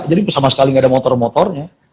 jadi sama sekali gak ada motor motornya